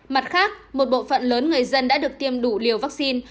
mặt khác một bộ phận lớn người dân đã được tiêm đủ liều vaccine